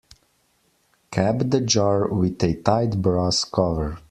Cap the jar with a tight brass cover.